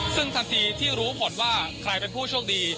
ซึ่งทันทีที่รู้ผลว่าใครเป็นผู้โชคดี